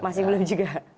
masih belum juga